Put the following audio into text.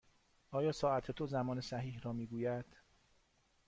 آیا ساعت تو زمان صحیح را می گوید؟